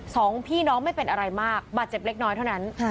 สองพี่น้องไม่เป็นอะไรมากบาดเจ็บเล็กน้อยเท่านั้น